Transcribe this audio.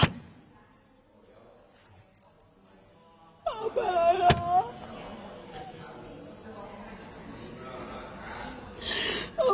แม่ละก้วยอยู่